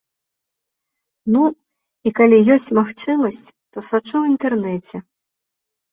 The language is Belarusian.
Ну, і калі ёсць магчымасць, то сачу ў інтэрнэце.